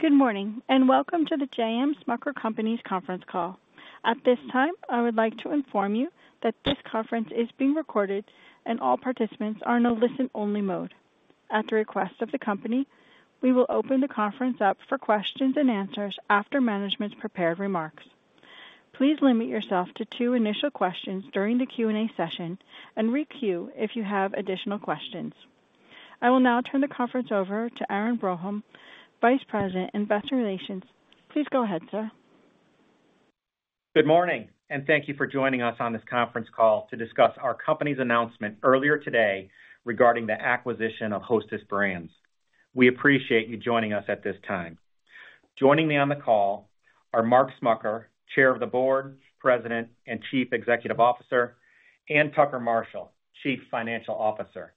Good morning, and welcome to the J.M. Smucker Company's conference call. At this time, I would like to inform you that this conference is being recorded and all participants are in a listen-only mode. At the request of the company, we will open the conference up for questions and answers after management's prepared remarks. Please limit yourself to two initial questions during the Q&A session and re-queue if you have additional questions. I will now turn the conference over to Aaron Broholm, Vice President, Investor Relations. Please go ahead, sir. Good morning, and thank you for joining us on this conference call to discuss our company's announcement earlier today regarding the acquisition of Hostess Brands. We appreciate you joining us at this time. Joining me on the call are Mark Smucker, Chair of the Board, President, and Chief Executive Officer, and Tucker Marshall, Chief Financial Officer.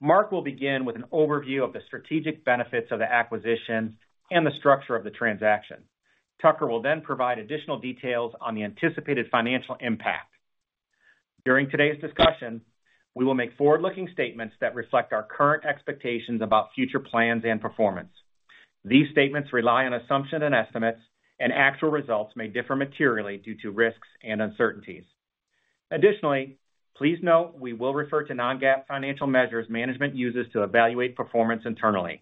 Mark will begin with an overview of the strategic benefits of the acquisition and the structure of the transaction. Tucker will then provide additional details on the anticipated financial impact. During today's discussion, we will make forward-looking statements that reflect our current expectations about future plans and performance. These statements rely on assumptions and estimates, and actual results may differ materially due to risks and uncertainties. Additionally, please note, we will refer to non-GAAP financial measures management uses to evaluate performance internally.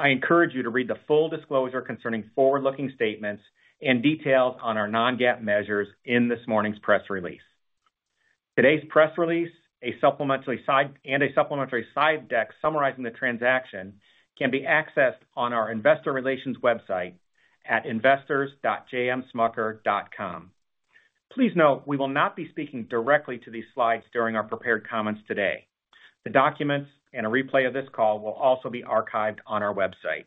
I encourage you to read the full disclosure concerning forward-looking statements and details on our non-GAAP measures in this morning's press release. Today's press release, a supplementary side deck summarizing the transaction can be accessed on our investor relations website at investors.jmsmucker.com. Please note, we will not be speaking directly to these slides during our prepared comments today. The documents and a replay of this call will also be archived on our website.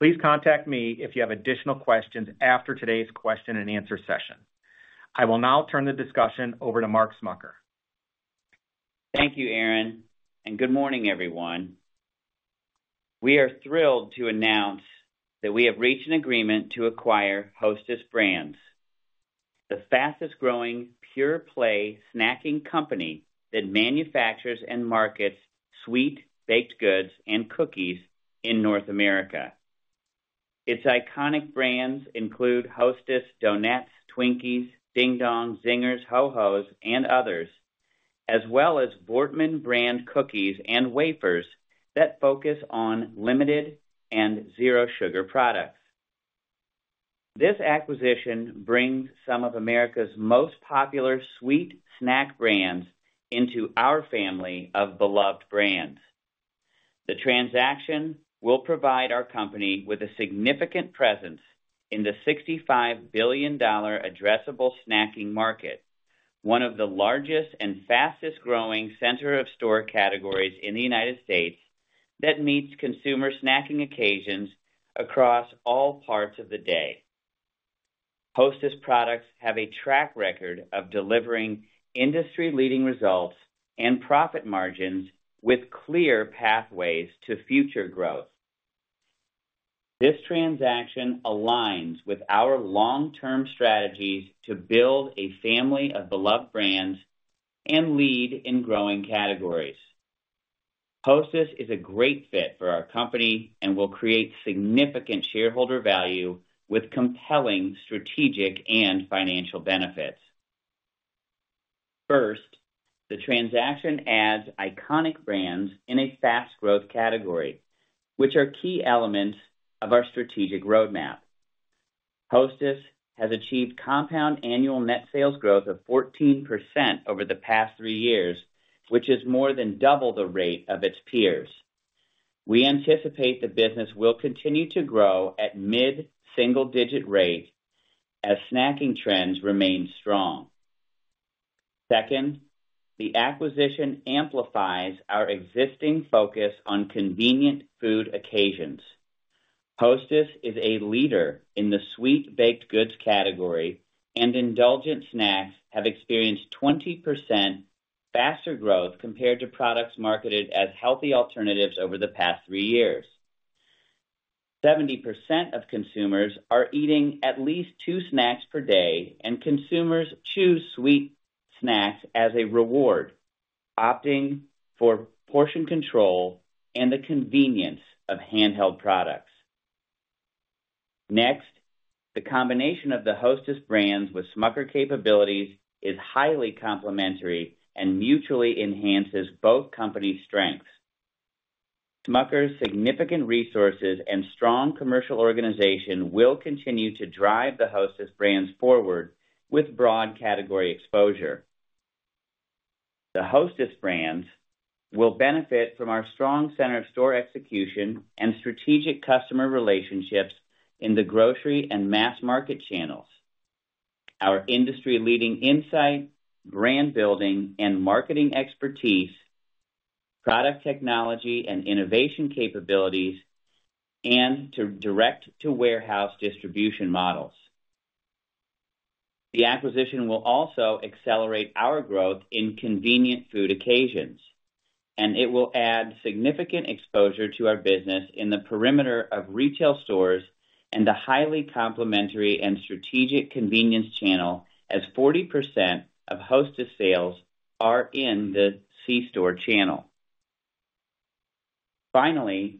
Please contact me if you have additional questions after today's question and answer session. I will now turn the discussion over to Mark Smucker. Thank you, Aaron, and good morning, everyone. We are thrilled to announce that we have reached an agreement to acquire Hostess Brands, the fastest growing pure-play snacking company that manufactures and markets sweet baked goods and cookies in North America. Its iconic brands include Hostess Donettes, Twinkies, Ding Dongs, Zingers, Ho Hos, and others, as well as Voortman brand cookies and wafers that focus on limited and zero sugar products. This acquisition brings some of America's most popular sweet snack brands into our family of beloved brands. The transaction will provide our company with a significant presence in the $65 billion addressable snacking market, one of the largest and fastest growing center-of-store categories in the United States, that meets consumer snacking occasions across all parts of the day. Hostess products have a track record of delivering industry-leading results and profit margins with clear pathways to future growth. This transaction aligns with our long-term strategies to build a family of beloved brands and lead in growing categories. Hostess is a great fit for our company and will create significant shareholder value with compelling strategic and financial benefits. First, the transaction adds iconic brands in a fast growth category, which are key elements of our strategic roadmap. Hostess has achieved compound annual net sales growth of 14% over the past 3 years, which is more than double the rate of its peers. We anticipate the business will continue to grow at mid-single digit rate as snacking trends remain strong. Second, the acquisition amplifies our existing focus on convenient food occasions. Hostess is a leader in the sweet baked goods category, and indulgent snacks have experienced 20% faster growth compared to products marketed as healthy alternatives over the past 3 years. 70% of consumers are eating at least two snacks per day, and consumers choose sweet snacks as a reward, opting for portion control and the convenience of handheld products. Next, the combination of the Hostess Brands with Smucker's capabilities is highly complementary and mutually enhances both companies' strengths. Smucker's significant resources and strong commercial organization will continue to drive the Hostess Brands forward with broad category exposure. The Hostess Brands will benefit from our strong center-of-store execution and strategic customer relationships in the grocery and mass market channels, our industry-leading insight, brand building and marketing expertise, product technology and innovation capabilities, and to direct-to-warehouse distribution models. The acquisition will also accelerate our growth in convenient food occasions, and it will add significant exposure to our business in the perimeter of retail stores... and a highly complementary and strategic convenience channel, as 40% of Hostess sales are in the C-store channel. Finally,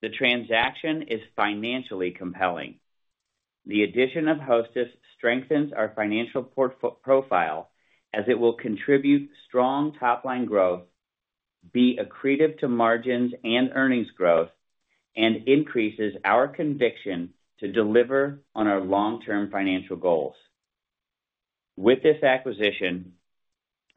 the transaction is financially compelling. The addition of Hostess strengthens our financial profile, as it will contribute strong top-line growth, be accretive to margins and earnings growth, and increases our conviction to deliver on our long-term financial goals. With this acquisition,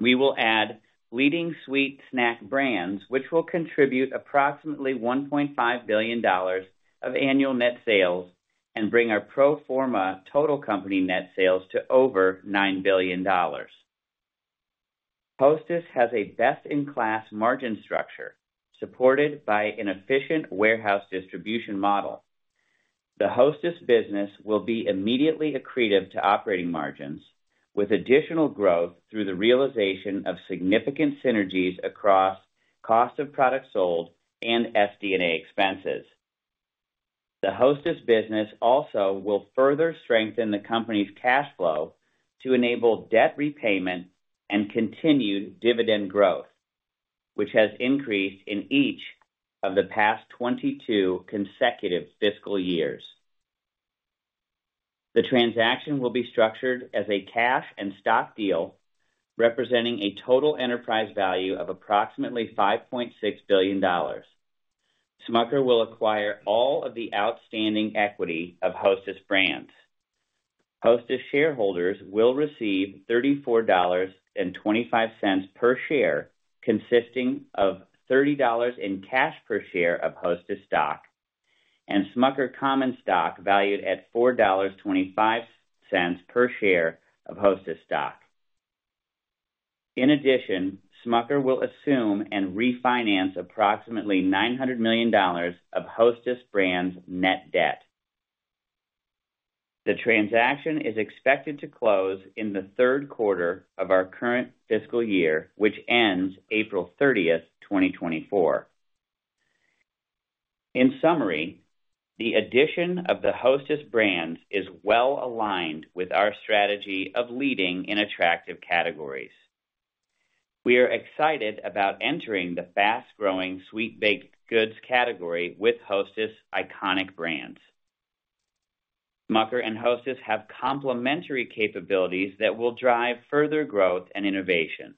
we will add leading sweet snack brands, which will contribute approximately $1.5 billion of annual net sales and bring our pro forma total company net sales to over $9 billion. Hostess has a best-in-class margin structure, supported by an efficient warehouse distribution model. The Hostess business will be immediately accretive to operating margins, with additional growth through the realization of significant synergies across cost of products sold and SD&A expenses. The Hostess business also will further strengthen the company's cash flow to enable debt repayment and continued dividend growth, which has increased in each of the past 22 consecutive fiscal years. The transaction will be structured as a cash and stock deal, representing a total enterprise value of approximately $5.6 billion. Smucker will acquire all of the outstanding equity of Hostess Brands. Hostess shareholders will receive $34.25 per share, consisting of $30 in cash per share of Hostess stock and Smucker common stock valued at $4.25 per share of Hostess stock. In addition, Smucker will assume and refinance approximately $900 million of Hostess Brands' net debt. The transaction is expected to close in the third quarter of our current fiscal year, which ends April 30, 2024. In summary, the addition of the Hostess Brands is well aligned with our strategy of leading in attractive categories. We are excited about entering the fast-growing sweet baked goods category with Hostess' iconic brands. Smucker's and Hostess have complementary capabilities that will drive further growth and innovation.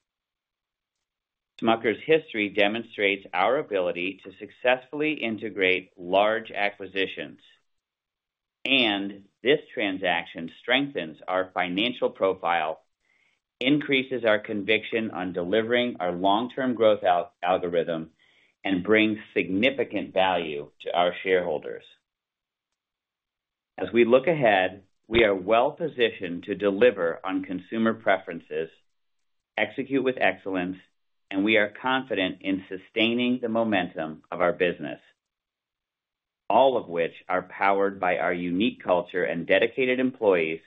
Smucker's history demonstrates our ability to successfully integrate large acquisitions, and this transaction strengthens our financial profile, increases our conviction on delivering our long-term growth algorithm, and brings significant value to our shareholders. As we look ahead, we are well positioned to deliver on consumer preferences, execute with excellence, and we are confident in sustaining the momentum of our business, all of which are powered by our unique culture and dedicated employees,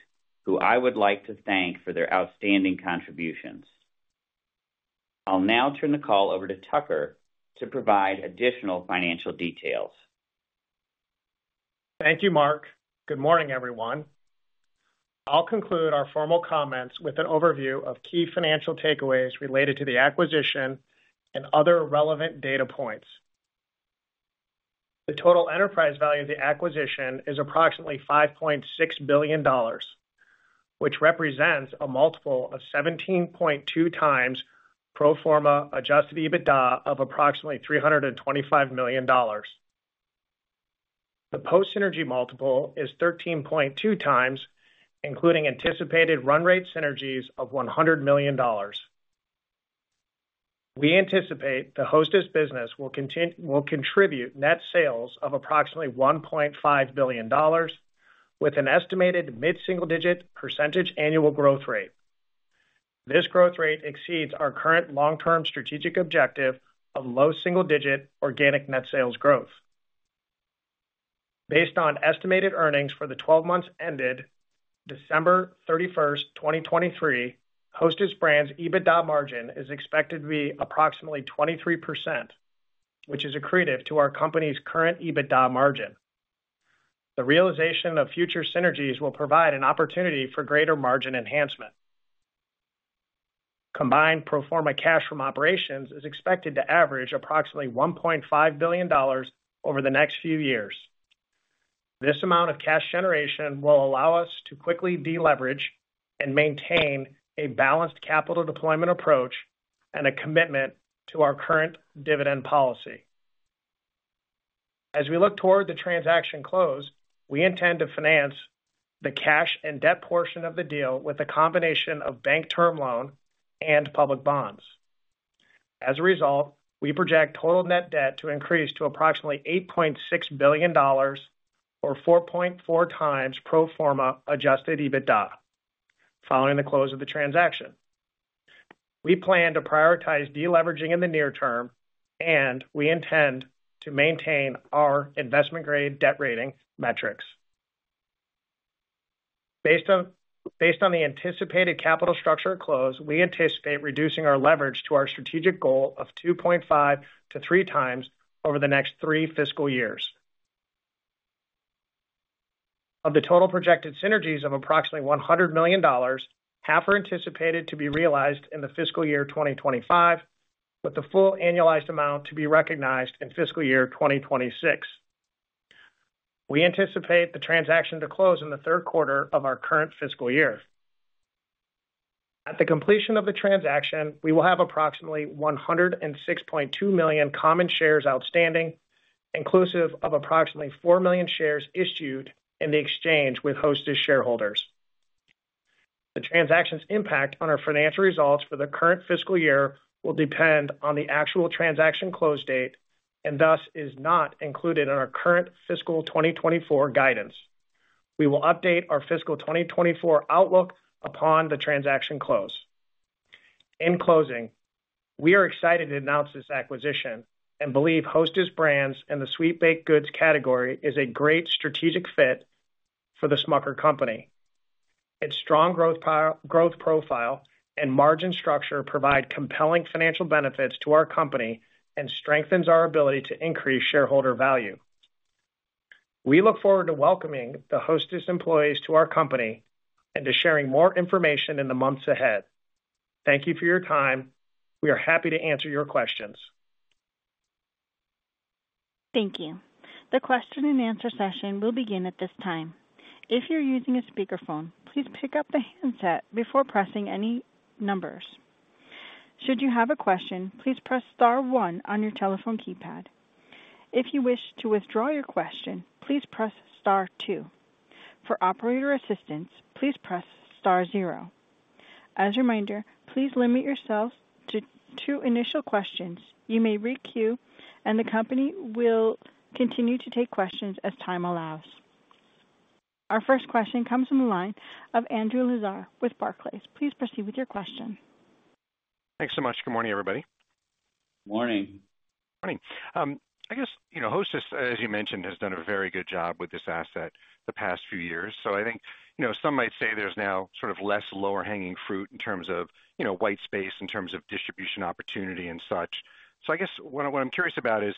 who I would like to thank for their outstanding contributions. I'll now turn the call over to Tucker to provide additional financial details. Thank you, Mark. Good morning, everyone. I'll conclude our formal comments with an overview of key financial takeaways related to the acquisition and other relevant data points. The total enterprise value of the acquisition is approximately $5.6 billion, which represents a multiple of 17.2x pro forma adjusted EBITDA of approximately $325 million. The post-synergy multiple is 13.2x, including anticipated run rate synergies of $100 million. We anticipate the Hostess business will will contribute net sales of approximately $1.5 billion, with an estimated mid-single-digit % annual growth rate. This growth rate exceeds our current long-term strategic objective of low single-digit % organic net sales growth. Based on estimated earnings for the 12 months ended December 31, 2023, Hostess Brands' EBITDA margin is expected to be approximately 23%, which is accretive to our company's current EBITDA margin. The realization of future synergies will provide an opportunity for greater margin enhancement. Combined pro forma cash from operations is expected to average approximately $1.5 billion over the next few years. This amount of cash generation will allow us to quickly deleverage and maintain a balanced capital deployment approach and a commitment to our current dividend policy. As we look toward the transaction close, we intend to finance the cash and debt portion of the deal with a combination of bank term loan and public bonds. As a result, we project total net debt to increase to approximately $8.6 billion or 4.4 times pro forma adjusted EBITDA following the close of the transaction. We plan to prioritize deleveraging in the near term, and we intend to maintain our investment-grade debt rating metrics. Based on the anticipated capital structure at close, we anticipate reducing our leverage to our strategic goal of 2.5-3 times over the next three fiscal years. Of the total projected synergies of approximately $100 million, half are anticipated to be realized in the fiscal year 2025, with the full annualized amount to be recognized in fiscal year 2026. We anticipate the transaction to close in the third quarter of our current fiscal year. At the completion of the transaction, we will have approximately 106.2 million common shares outstanding, inclusive of approximately 4 million shares issued in the exchange with Hostess shareholders. The transaction's impact on our financial results for the current fiscal year will depend on the actual transaction close date and thus is not included in our current fiscal 2024 guidance. We will update our fiscal 2024 outlook upon the transaction close. In closing, we are excited to announce this acquisition and believe Hostess Brands and the sweet baked goods category is a great strategic fit for the Smucker Company. Its strong growth profile and margin structure provide compelling financial benefits to our company and strengthens our ability to increase shareholder value. We look forward to welcoming the Hostess employees to our company and to sharing more information in the months ahead. Thank you for your time. We are happy to answer your questions. Thank you. The question and answer session will begin at this time. If you're using a speakerphone, please pick up the handset before pressing any numbers. Should you have a question, please press star one on your telephone keypad. If you wish to withdraw your question, please press star two. For operator assistance, please press star zero. As a reminder, please limit yourselves to two initial questions. You may re-queue, and the company will continue to take questions as time allows. Our first question comes from the line of Andrew Lazar with Barclays. Please proceed with your question. Thanks so much. Good morning, everybody. Morning. Morning. I guess, you know, Hostess, as you mentioned, has done a very good job with this asset the past few years. So I think, you know, some might say there's now sort of less lower-hanging fruit in terms of, you know, white space, in terms of distribution, opportunity and such. So I guess what I, what I'm curious about is,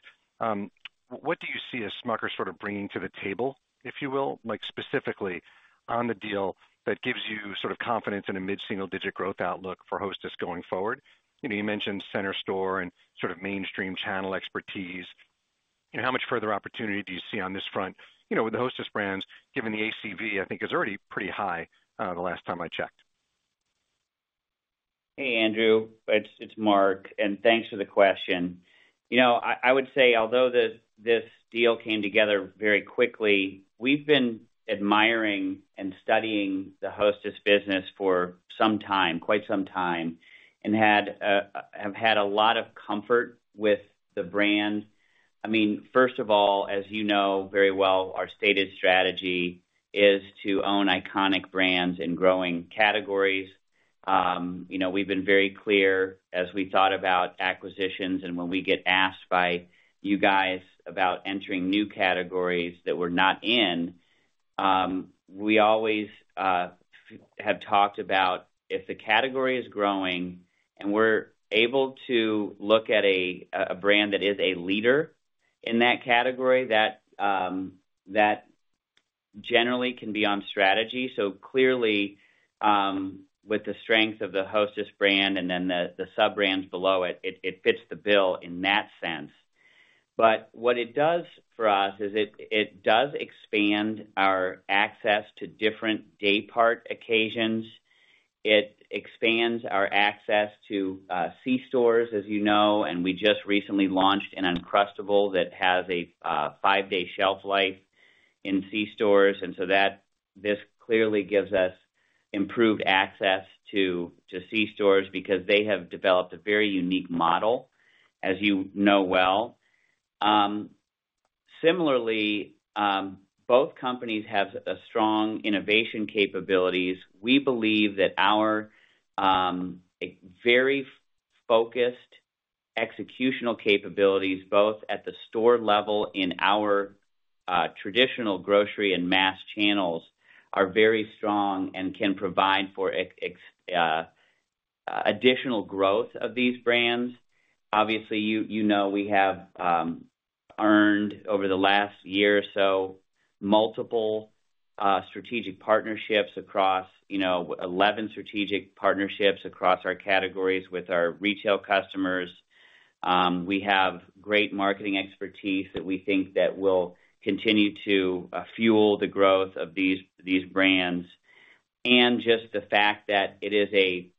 what do you see as Smucker sort of bringing to the table, if you will, like, specifically on the deal, that gives you sort of confidence in a mid-single digit growth outlook for Hostess going forward? You know, you mentioned center store and sort of mainstream channel expertise. You know, how much further opportunity do you see on this front, you know, with the Hostess brands, given the ACV, I think, is already pretty high, the last time I checked. Hey, Andrew, it's Mark, and thanks for the question. You know, I would say, although this deal came together very quickly, we've been admiring and studying the Hostess business for some time, quite some time, and have had a lot of comfort with the brand. I mean, first of all, as you know very well, our stated strategy is to own iconic brands in growing categories. You know, we've been very clear as we thought about acquisitions and when we get asked by you guys about entering new categories that we're not in, we always have talked about if the category is growing and we're able to look at a brand that is a leader in that category, that generally can be on strategy. So clearly, with the strength of the Hostess brand and then the sub-brands below it, it fits the bill in that sense. But what it does for us is it does expand our access to different daypart occasions. It expands our access to C-stores, as you know, and we just recently launched an Uncrustable that has a 5-day shelf life in C-stores. And so this clearly gives us improved access to C stores because they have developed a very unique model, as you know well. Similarly, both companies have a strong innovation capabilities. We believe that our very focused executional capabilities, both at the store level in our traditional grocery and mass channels, are very strong and can provide for additional growth of these brands. Obviously, you know, we have earned over the last year or so multiple strategic partnerships across, you know, 11 strategic partnerships across our categories with our retail customers. We have great marketing expertise that we think that will continue to fuel the growth of these these brands, and just the fact that it is a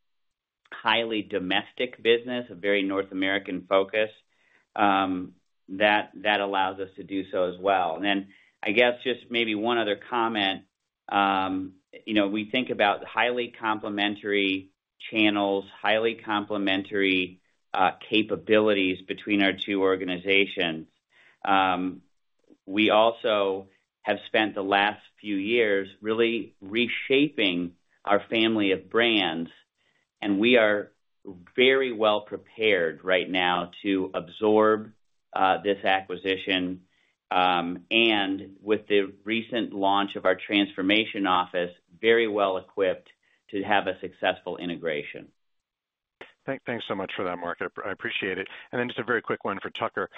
highly domestic business, a very North American focus, that that allows us to do so as well. And then, I guess, just maybe one other comment. You know, we think about highly complementary channels, highly complementary capabilities between our two organizations. We also have spent the last few years really reshaping our family of brands and we are very well prepared right now to absorb this acquisition, and with the recent launch of our Transformation Office, very well equipped to have a successful integration. Thanks so much for that, Mark. I appreciate it. And then just a very quick one for Tucker.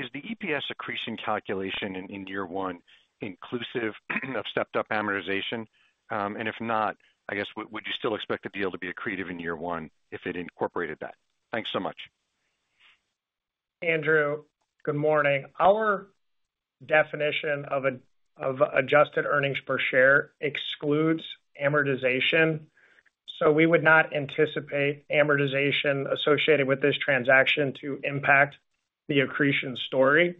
Is the EPS accretion calculation in year one inclusive of stepped-up amortization? And if not, I guess, would you still expect the deal to be accretive in year one if it incorporated that? Thanks so much. Andrew, good morning. Our definition of adjusted earnings per share excludes amortization. So we would not anticipate amortization associated with this transaction to impact the accretion story.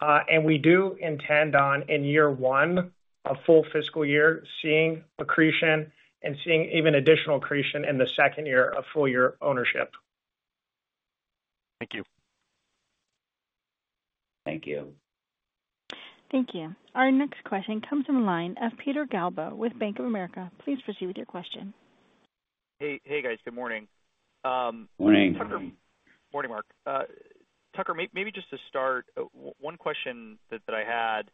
And we do intend on, in year one, a full fiscal year, seeing accretion and seeing even additional accretion in the second year of full year ownership. Thank you. Thank you. Thank you. Our next question comes from the line of Peter Galbo with Bank of America. Please proceed with your question. Hey, hey, guys. Good morning. Morning. Tucker. Morning, Mark. Tucker, maybe just to start, one question that I had,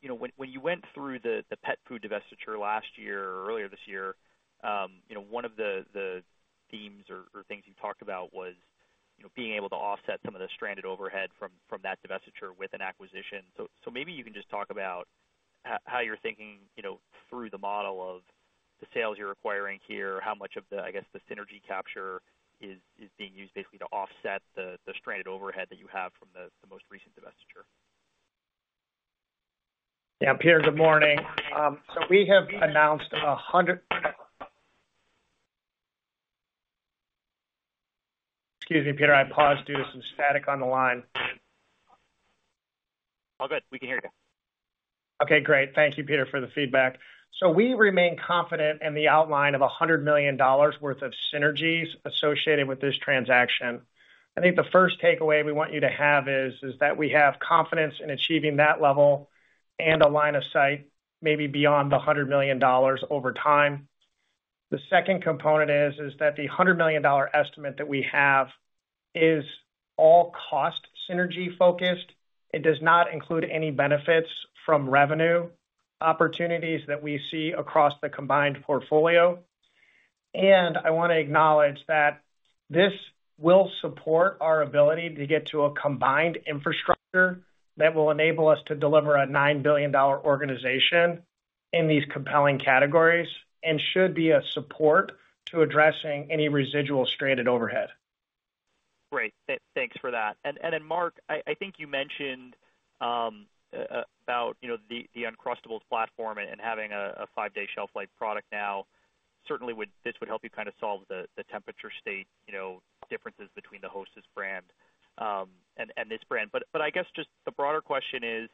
you know, when you went through the pet food divestiture last year or earlier this year, you know, one of the themes or things you talked about was, you know, being able to offset some of the stranded overhead from that divestiture with an acquisition. So maybe you can just talk about how you're thinking, you know, through the model of the sales you're acquiring here, how much of the, I guess, the synergy capture is being used basically to offset the stranded overhead that you have from the most recent divestiture? Yeah, Peter, good morning. So we have announced 100... Excuse me, Peter, I paused due to some static on the line. All good. We can hear you. Okay, great. Thank you, Peter, for the feedback. So we remain confident in the outline of $100 million worth of synergies associated with this transaction. I think the first takeaway we want you to have is, is that we have confidence in achieving that level and a line of sight, maybe beyond the $100 million over time. The second component is, is that the $100 million estimate that we have is all cost synergy focused. It does not include any benefits from revenue opportunities that we see across the combined portfolio. And I wanna acknowledge that this will support our ability to get to a combined infrastructure that will enable us to deliver a $9 billion organization in these compelling categories, and should be a support to addressing any residual stranded overhead. Great. Thanks for that. And then, Mark, I think you mentioned about, you know, the Uncrustables platform and having a five-day shelf life product now. Certainly, this would help you kinda solve the temperature state, you know, differences between the Hostess brand and this brand. But I guess just the broader question is,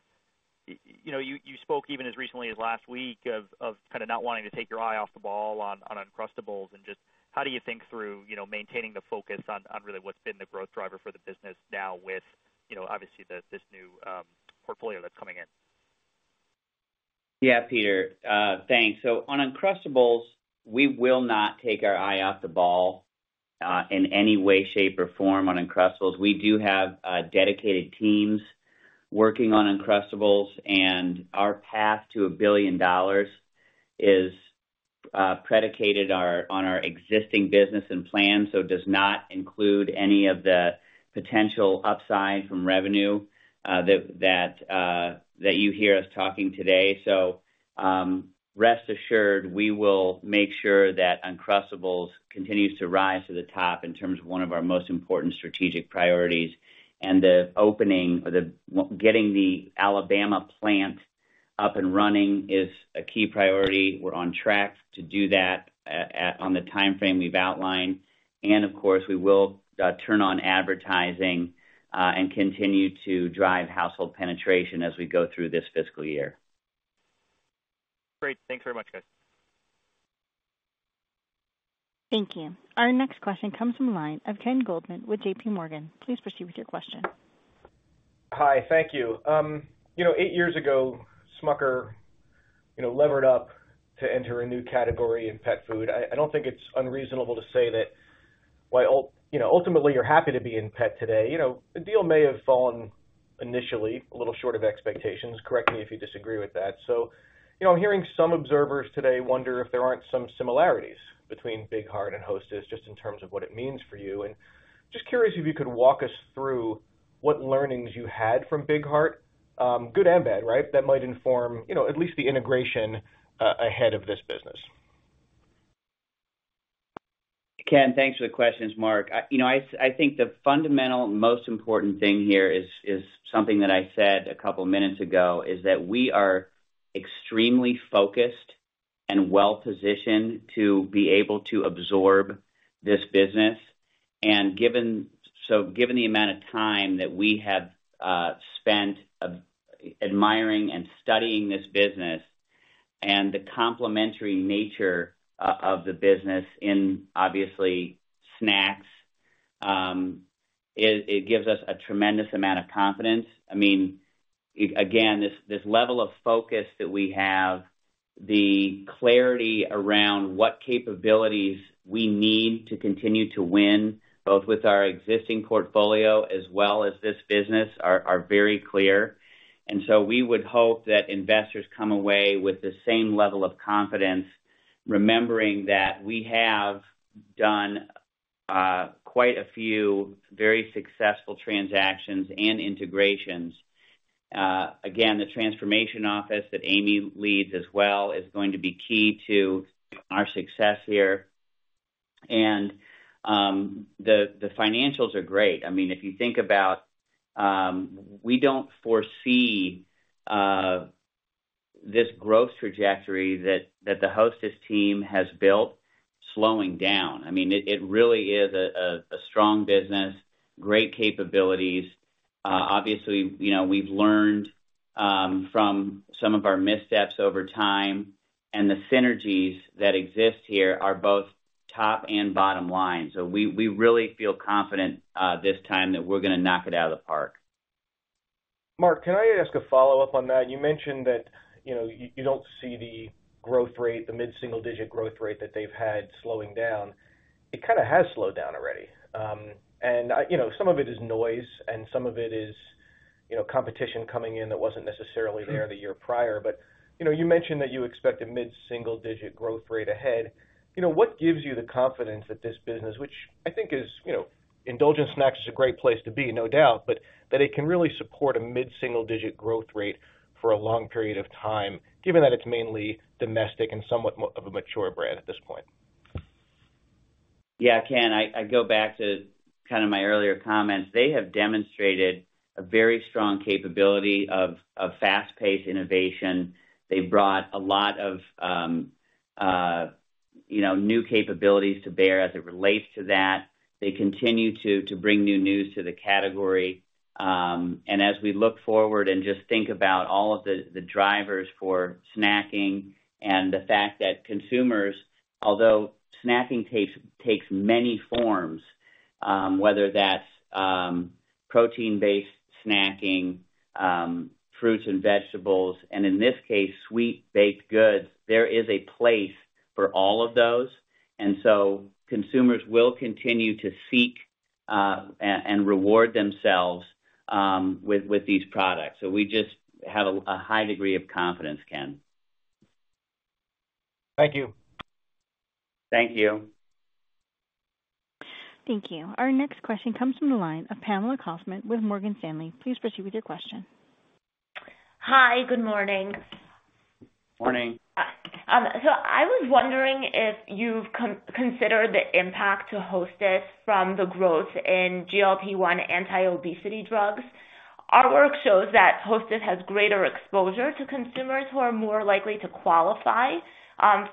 you know, you spoke even as recently as last week of kinda not wanting to take your eye off the ball on Uncrustables. And just how do you think through, you know, maintaining the focus on really what's been the growth driver for the business now with, you know, obviously, this new portfolio that's coming in? Yeah, Peter, thanks. So on Uncrustables, we will not take our eye off the ball, in any way, shape, or form on Uncrustables. We do have, dedicated teams working on Uncrustables, and our path to $1 billion is predicated on our existing business and plan, so does not include any of the potential upside from revenue, that you hear us talking today. So, rest assured, we will make sure that Uncrustables continues to rise to the top in terms of one of our most important strategic priorities. And the opening or getting the Alabama plant up and running is a key priority. We're on track to do that on the timeframe we've outlined and of course, we will turn on advertising and continue to drive household penetration as we go through this fiscal year. Great. Thanks very much, guys. Thank you. Our next question comes from the line of Ken Goldman with JPMorgan. Please proceed with your question. Hi, thank you. You know, 8 years ago, Smucker's, you know, levered up to enter a new category in pet food. I don't think it's unreasonable to say that while ultimately, you know, you're happy to be in pet today, you know, the deal may have fallen initially a little short of expectations. Correct me if you disagree with that. So, you know, I'm hearing some observers today wonder if there aren't some similarities between Big Heart and Hostess, just in terms of what it means for you. And just curious if you could walk us through what learnings you had from Big Heart, good and bad, right, that might inform, you know, at least the integration ahead of this business. Ken, thanks for the questions. Mark, you know, I think the fundamental most important thing here is something that I said a couple of minutes ago, is that we are extremely focused and well-positioned to be able to absorb this business. And given so given the amount of time that we have spent admiring and studying this business and the complementary nature of the business in, obviously, snacks, it gives us a tremendous amount of confidence. I mean, again, this level of focus that we have, the clarity around what capabilities we need to continue to win, both with our existing portfolio as well as this business, are very clear. And so we would hope that investors come away with the same level of confidence, remembering that we have done quite a few very successful transactions and integrations. Again, the transformation office that Amy leads as well is going to be key to our success here. And the financials are great. I mean, if you think about, we don't foresee this growth trajectory that the Hostess team has built slowing down. I mean, it really is a strong business, great capabilities. Obviously, you know, we've learned from some of our missteps over time, and the synergies that exist here are both top and bottom line. So we really feel confident this time that we're gonna knock it out of the park. Mark, can I ask a follow-up on that? You mentioned that, you know, you don't see the growth rate, the mid-single digit growth rate that they've had slowing down. It kinda has slowed down already. You know, some of it is noise and some of it is, you know, competition coming in that wasn't necessarily there the year prior. But, you know, you mentioned that you expect a mid-single digit growth rate ahead. You know, what gives you the confidence that this business, which I think is, you know, indulgent snacks, is a great place to be, no doubt, but that it can really support a mid-single digit growth rate for a long period of time, given that it's mainly domestic and somewhat more of a mature brand at this point? Yeah, Ken, I go back to kind of my earlier comments. They have demonstrated a very strong capability of fast-paced innovation. They brought a lot of, you know, new capabilities to bear as it relates to that. They continue to bring new news to the category. And as we look forward and just think about all of the drivers for snacking and the fact that consumers, although snacking takes many forms, whether that's protein-based snacking, fruits and vegetables, and in this case, sweet baked goods, there is a place for all of those. And so consumers will continue to seek and reward themselves with these products. So we just have a high degree of confidence, Ken. Thank you. Thank you. Thank you. Our next question comes from the line of Pamela Kaufman with Morgan Stanley. Please proceed with your question. Hi, good morning. Morning. So I was wondering if you've considered the impact to Hostess from the growth in GLP-1 anti-obesity drugs. Our work shows that Hostess has greater exposure to consumers who are more likely to qualify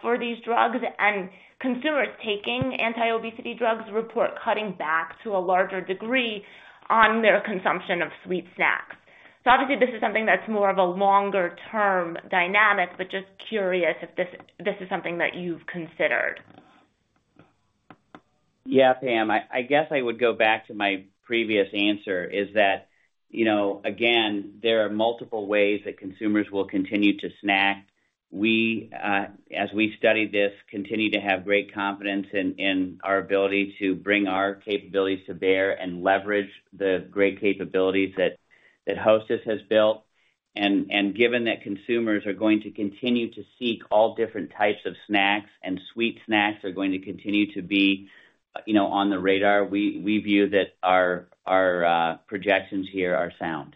for these drugs, and consumers taking anti-obesity drugs report cutting back to a larger degree on their consumption of sweet snacks. So obviously, this is something that's more of a longer-term dynamic, but just curious if this is something that you've considered. Yeah, Pam, I guess I would go back to my previous answer, you know, again, there are multiple ways that consumers will continue to snack. We, as we studied this, continue to have great confidence in our ability to bring our capabilities to bear and leverage the great capabilities that Hostess has built. Given that consumers are going to continue to seek all different types of snacks, and sweet snacks are going to continue to be, you know, on the radar, we view that our projections here are sound.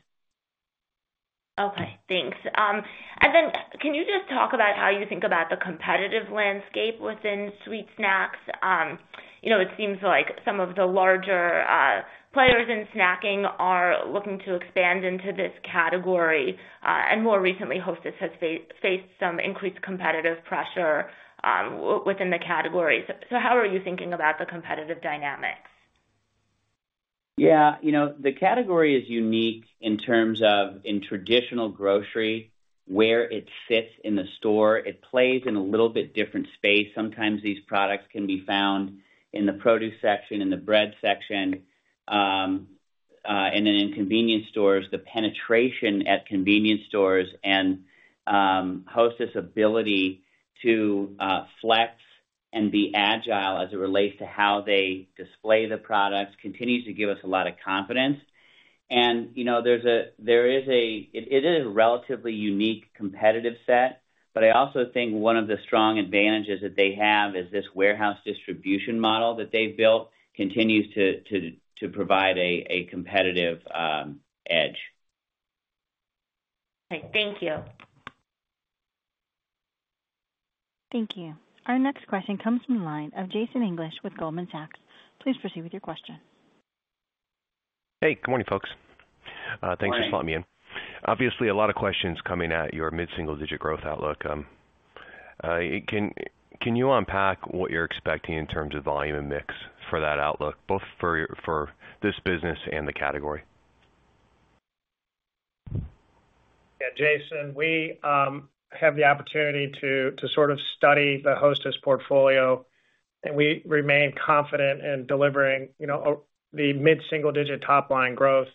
Okay, thanks. And then can you just talk about how you think about the competitive landscape within sweet snacks? You know, it seems like some of the larger players in snacking are looking to expand into this category. And more recently, Hostess has faced some increased competitive pressure within the category. So how are you thinking about the competitive dynamics? Yeah, you know, the category is unique in terms of in traditional grocery, where it sits in the store. It plays in a little bit different space. Sometimes these products can be found in the produce section, in the bread section, and then in convenience stores, the penetration at convenience stores and Hostess' ability to flex and be agile as it relates to how they display the products, continues to give us a lot of confidence. And, you know, there is a. It is a relatively unique competitive set, but I also think one of the strong advantages that they have is this warehouse distribution model that they've built, continues to provide a competitive edge. Great. Thank you. Thank you. Our next question comes from the line of Jason English with Goldman Sachs. Please proceed with your question. Hey, good morning, folks. Good morning. Thanks for spotting me in. Obviously, a lot of questions coming out, your mid-single-digit growth outlook. Can you unpack what you're expecting in terms of volume and mix for that outlook both for this business and the category? Yeah, Jason, we have the opportunity to sort of study the Hostess portfolio, and we remain confident in delivering, you know, the mid-single digit top line growth.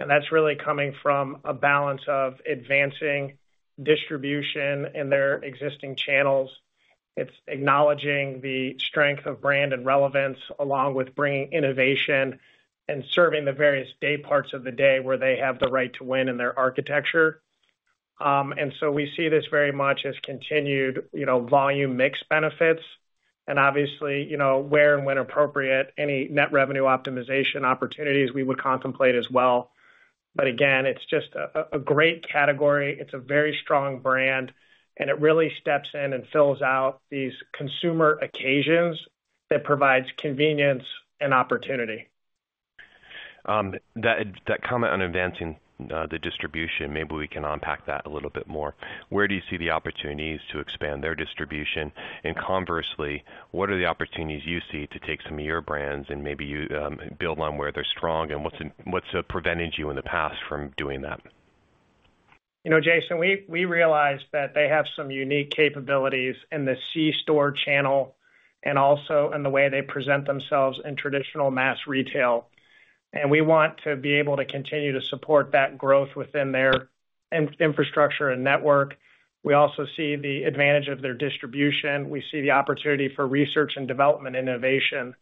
And that's really coming from a balance of advancing distribution in their existing channels. It's acknowledging the strength of brand and relevance, along with bringing innovation and serving the various day parts of the day, where they have the right to win in their architecture. And so we see this very much as continued, you know, volume mix benefits. And obviously, you know, where and when appropriate, any net revenue optimization opportunities we would contemplate as well. But again, it's just a great category. It's a very strong brand, and it really steps in and fills out these consumer occasions that provides convenience and opportunity. That, that comment on advancing the distribution, maybe we can unpack that a little bit more. Where do you see the opportunities to expand their distribution? And conversely, what are the opportunities you see to take some of your brands and maybe you and build on where they're strong, and what's preventing you in the past from doing that? You know, Jason, we, we realize that they have some unique capabilities in the C-store channel and also in the way they present themselves in traditional mass retail. We want to be able to continue to support that growth within their infrastructure and network. We also see the advantage of their distribution. We see the opportunity for research and development innovation.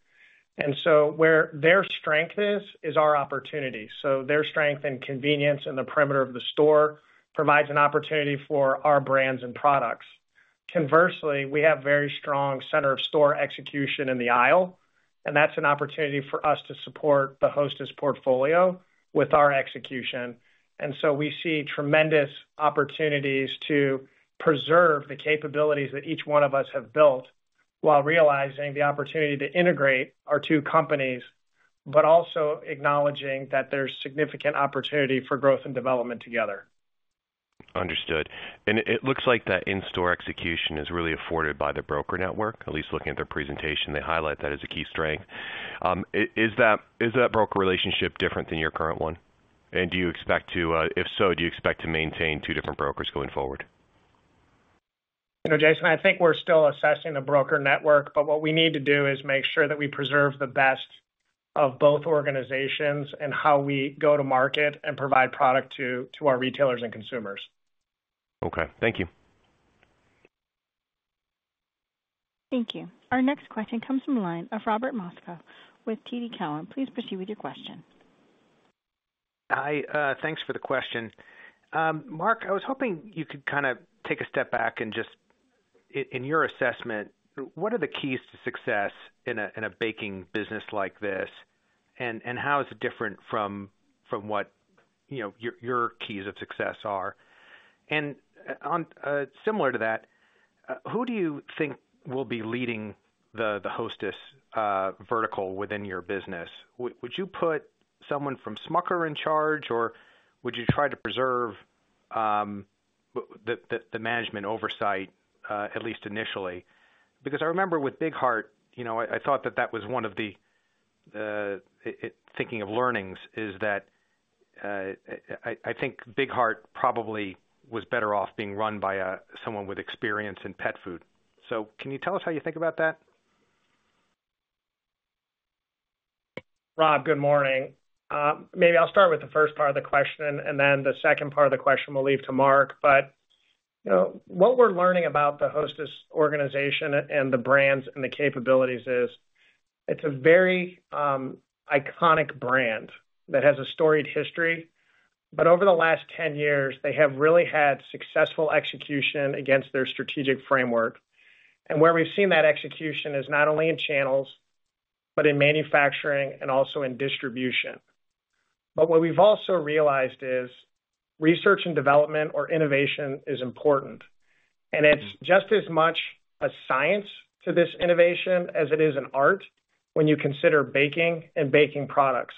So where their strength is, is our opportunity. So their strength and convenience in the perimeter of the store provides an opportunity for our brands and products. Conversely, we have very strong center of store execution in the aisle, and that's an opportunity for us to support the Hostess portfolio with our execution. And so we see tremendous opportunities to preserve the capabilities that each one of us have built, while realizing the opportunity to integrate our two companies, but also acknowledging that there's significant opportunity for growth and development together. Understood. And it looks like that in-store execution is really afforded by the broker network, at least looking at their presentation, they highlight that as a key strength. Is that broker relationship different than your current one? And do you expect to... If so, do you expect to maintain two different brokers going forward? You know, Jason, I think we're still assessing the broker network, but what we need to do is make sure that we preserve the best of both organizations and how we go to market and provide product to our retailers and consumers. Okay, thank you. Thank you. Our next question comes from the line of Robert Moskow with TD Cowen. Please proceed with your question. Hi, thanks for the question. Mark, I was hoping you could kind of take a step back and just, in your assessment, what are the keys to success in a baking business like this? And how is it different from what, you know, your keys of success are? And on, similar to that, who do you think will be leading the Hostess vertical within your business? Would you put someone from Smucker in charge, or would you try to preserve the management oversight, at least initially? Because I remember with Big Heart, you know, I thought that that was one of the thinking of learnings, is that I think Big Heart probably was better off being run by someone with experience in pet food. Can you tell us how you think about that? Rob, good morning. Maybe I'll start with the first part of the question, and then the second part of the question, we'll leave to Mark. But, you know, what we're learning about the Hostess organization and the brands and the capabilities is, it's a very iconic brand that has a storied history. But over the last 10 years, they have really had successful execution against their strategic framework. And where we've seen that execution is not only in channels, but in manufacturing and also in distribution. But what we've also realized is, research and development or innovation is important, and it's just as much a science to this innovation as it is an art when you consider baking and baking products.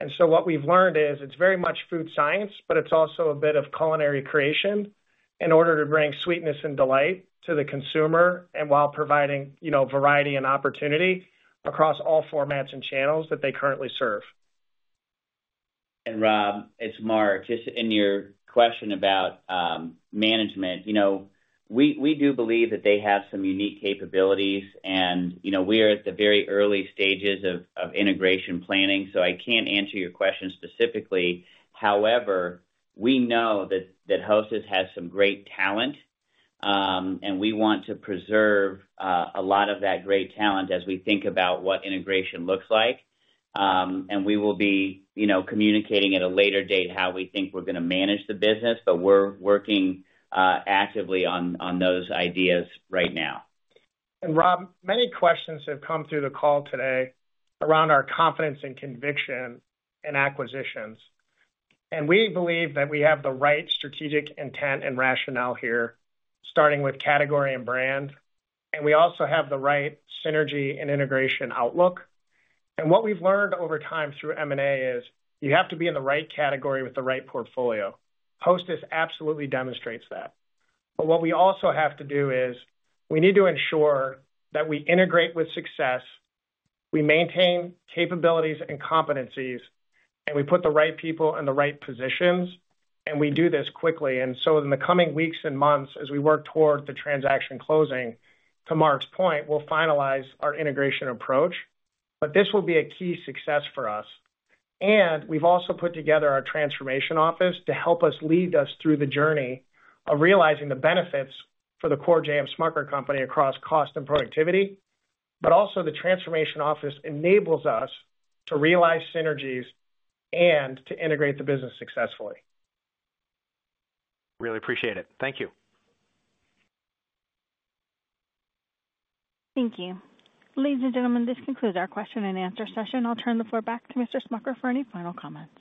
And so what we've learned is, it's very much food science, but it's also a bit of culinary creation in order to bring sweetness and delight to the consumer, while providing, you know, variety and opportunity across all formats and channels that they currently serve. Rob, it's Mark. Just in your question about management, you know, we do believe that they have some unique capabilities, and you know, we are at the very early stages of integration planning, so I can't answer your question specifically. However, we know that Hostess has some great talent, and we want to preserve a lot of that great talent as we think about what integration looks like. And we will be, you know, communicating at a later date how we think we're gonna manage the business, but we're working actively on those ideas right now. Rob, many questions have come through the call today around our confidence and conviction in acquisitions, and we believe that we have the right strategic intent and rationale here, starting with category and brand, and we also have the right synergy and integration outlook. What we've learned over time through M&A is you have to be in the right category with the right portfolio. Hostess absolutely demonstrates that. But what we also have to do is, we need to ensure that we integrate with success, we maintain capabilities and competencies, and we put the right people in the right positions, and we do this quickly. So in the coming weeks and months, as we work toward the transaction closing, to Mark's point, we'll finalize our integration approach, but this will be a key success for us. We've also put together our transformation office to help us lead us through the journey of realizing the benefits for the core J.M. Smucker Company across cost and productivity, but also the transformation office enables us to realize synergies and to integrate the business successfully. Really appreciate it. Thank you. Thank you. Ladies and gentlemen, this concludes our question and answer session. I'll turn the floor back to Mr. Smucker for any final comments.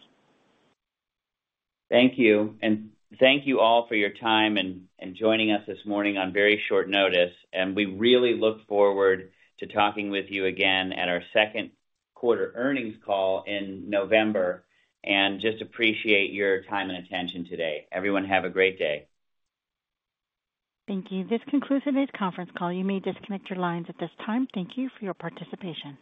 Thank you, and thank you all for your time and joining us this morning on very short notice, and we really look forward to talking with you again at our second quarter earnings call in November, and just appreciate your time and attention today. Everyone, have a great day. Thank you. This concludes today's conference call. You may disconnect your lines at this time. Thank you for your participation.